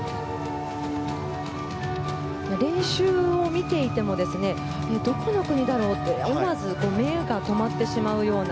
練習を見ていてもどこの国だろうって思わず目が留まってしまうような。